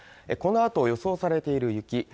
このあと予想されている雪